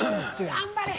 頑張れ！